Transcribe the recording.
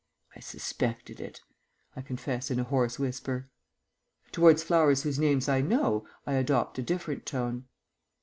"I suspected it," I confess in a hoarse whisper. Towards flowers whose names I know I adopt a different tone.